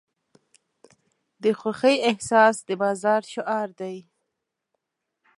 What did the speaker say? د خوښۍ احساس د بازار شعار دی.